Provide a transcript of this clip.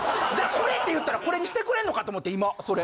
じゃこれって言ったらこれにしてくれんのかと思って。